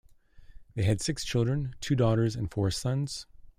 They had six children: two daughters and four sons.